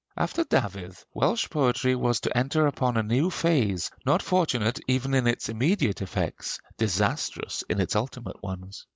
After Dafydd, Welsh poetry was to enter upon a new phase, not fortunate even in its immediate effects, disastrous in its ultimate ones.